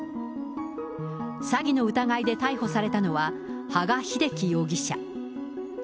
詐欺の疑いで逮捕されたのは、羽賀秀樹容疑者。